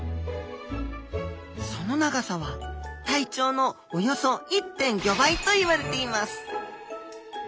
その長さは体長のおよそ１．５倍といわれています